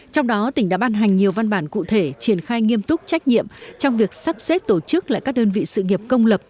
trong đó tỉnh đã ban hành nhiều văn bản cụ thể triển khai nghiêm túc trách nhiệm trong việc sắp xếp tổ chức lại các đơn vị sự nghiệp công lập